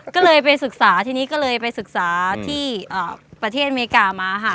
ก็เลยไปศึกษาที่ประเทศอเมริกาม้า